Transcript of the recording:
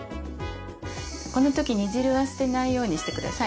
この時煮汁は捨てないようにしてください。